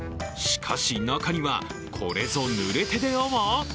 しかし、中にはこれぞぬれ手であわ？